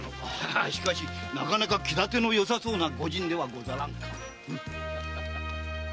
しかしなかなか気立てのよさそうな御仁ではないか。